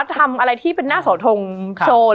มันทำให้ชีวิตผู้มันไปไม่รอด